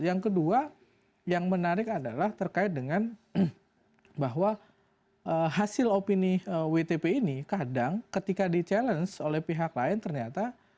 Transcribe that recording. yang kedua yang menarik adalah terkait dengan bahwa hasil opini wtp ini kadang ketika di challenge oleh pihak lain ternyata